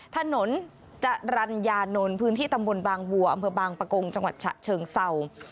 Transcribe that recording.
ถนนจรรยานนท์พื้นที่ตำบลบางวัวอำเภอบางปะโกงจังหวัดฉะเชิงเศร้า